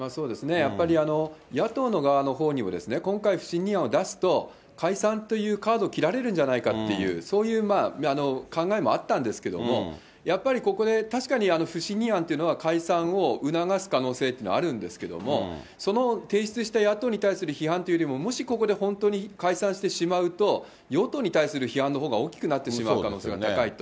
やっぱり、野党の側のほうにもですね、今回不信任案を出すと、解散というカードを切られるんじゃないかっていう、そういう考えもあったんですけれども、やっぱりここで確かに不信任案というのは、解散を促す可能性というのはあるんですけども、その提出した野党に対する批判というよりも、もしここで本当に解散してしまうと、与党に対する批判のほうが大きくなってしまう可能性のほうが高いと。